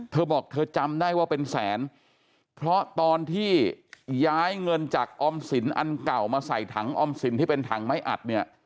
เธอบอกเธอจำได้ว่าเป็นแสนเพราะตอนที่ย้ายเงินจากออมสินอันเก่ามาใส่ถังออมสินที่เป็นถังไม้อัดเนี่ย